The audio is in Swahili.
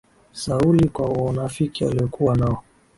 Sauli kwa unafiki aliokuwa nao.